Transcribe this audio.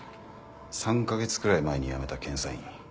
３か月くらい前に辞めた検査員。